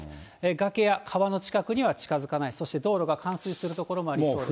崖や川の近くには近づかない、そして道路が冠水している所もありそうです。